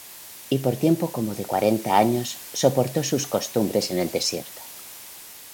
Y por tiempo como de cuarenta años soportó sus costumbres en el desierto;